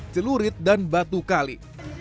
celurit dan batu kali